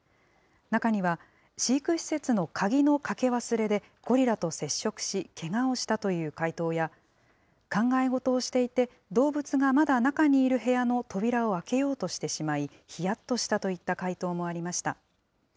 中には飼育施設の鍵のかけ忘れでゴリラと接触し、けがをしたという回答や、考え事をしていて動物がまだ中にいる部屋の扉を開けようとしてしまい、ひやっとした回答もありました。